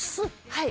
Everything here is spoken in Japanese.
「はい。